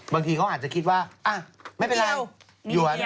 บางทีเขาอาจจะคิดว่าอ้าไม่เป็นไรเหยียว